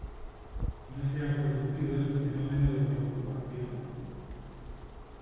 No se ha producido el fenómeno de conurbación.